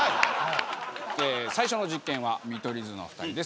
最初の実験は見取り図のお２人です。